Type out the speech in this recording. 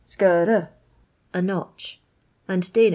skdra, a notch; and Dan.